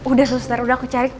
udah suster udah aku cari